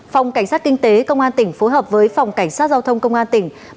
phòng cảnh sát kinh tế công an tỉnh phối hợp với phòng cảnh sát giao thông công an tỉnh